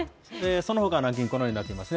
そのほかのランキング、このようになっていますね。